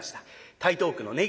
台東区の根岸。